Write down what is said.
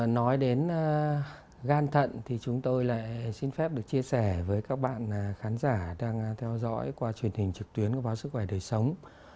nói đến gan thận thì chúng tôi lại xin phép được chia sẻ với các bạn khán giả đang theo dõi qua truyền hình trực tuyến của báo sức khỏe đời sống